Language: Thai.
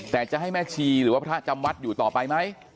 แต่จะให้แม่ชีหรือว่าพระจำวัดอยู่ต่อไปไหม